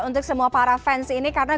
untuk semua para fans ini karena